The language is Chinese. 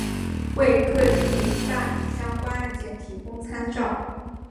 为各地办理相关案件提供参照